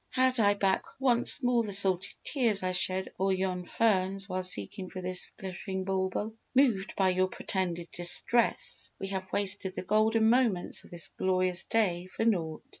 Had I back once more the salty tears I shed o'er yon ferns while seeking for this glittering bauble! Moved by your pretended distress we have wasted the golden moments of this glorious day for naught!"